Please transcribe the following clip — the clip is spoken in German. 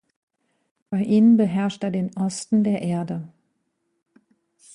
Bei ihnen beherrscht er den Osten der Erde.